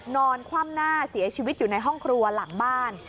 นอนคว่ำหน้าเสียชีวิตอยู่ในห้องครัวหลังบ้าน